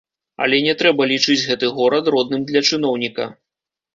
Але не трэба лічыць гэты горад родным для чыноўніка.